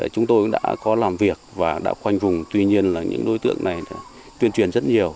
chúng tôi cũng đã có làm việc và đã khoanh vùng tuy nhiên là những đối tượng này tuyên truyền rất nhiều